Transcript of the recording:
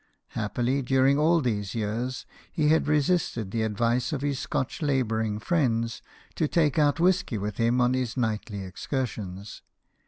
Happily, during all these years, he had resisted the advice of his Scotch labouring friends, to take out whisky with him on his nightly excursions.